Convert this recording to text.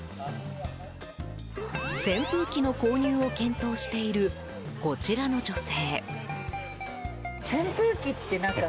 扇風機の購入を検討しているこちらの女性。